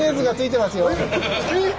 えっ！